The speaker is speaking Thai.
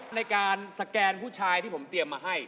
ในการสแกนผู้ชายที่ผมเตรียมมาให้